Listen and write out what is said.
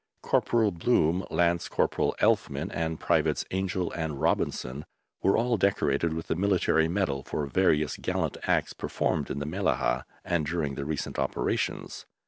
Corporal Bloom, Lance Corporal Elfman, and Privates Angel and Robinson were all decorated with the Military Medal for various gallant acts performed in the Mellahah, and during the recent operations.